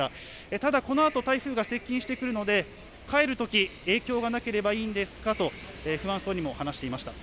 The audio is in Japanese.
ただ、このあと台風が接近してくるので、帰るとき、影響がなければいいんですがと、不安そうにも話していました。